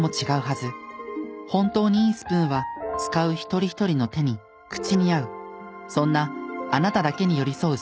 本当にいいスプーンは使う一人一人の手に口に合うそんな「あなただけに寄り添う」